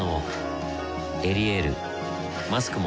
「エリエール」マスクも